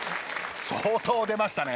相当出ましたね。